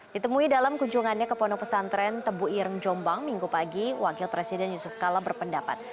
ditemui dalam kunjungannya ke pono pesantren tebuirng jombang minggu pagi wakil presiden yusuf kalla berpendapat